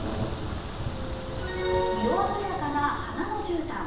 色鮮やかな花のじゅうたん。